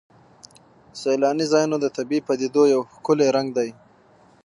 سیلاني ځایونه د طبیعي پدیدو یو ښکلی رنګ دی.